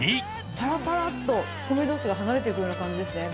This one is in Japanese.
ぱらぱらっと、米どうしが離れていくような感じですね。